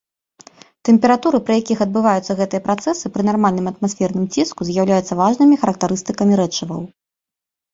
Тэмпературы, пры якіх адбываюцца гэтыя працэсы пры нармальным атмасферным ціску з'яўляюцца важнымі характарыстыкамі рэчываў.